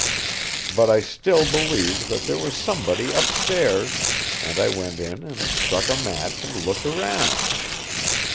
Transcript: But I still believed that there was somebody upstairs, and I went in and struck a match and looked round.